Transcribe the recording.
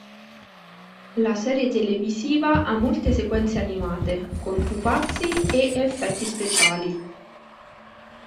La serie televisiva ha molte sequenze animate con pupazzi e effetti speciali.